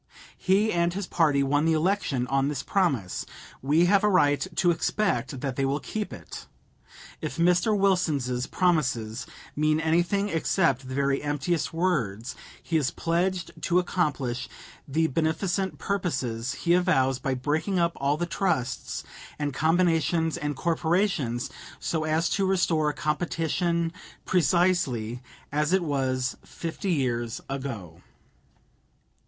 He and his party won the election on this promise. We have a right to expect that they will keep it. If Mr. Wilson's promises mean anything except the very emptiest words, he is pledged to accomplish the beneficent purposes he avows by breaking up all the trusts and combinations and corporations so as to restore competition precisely as it was fifty years ago.